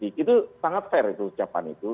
itu sangat fair itu ucapan itu